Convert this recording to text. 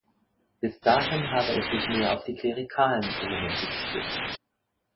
Bis dahin habe es sich mehr auf die klerikalen Elemente gestützt.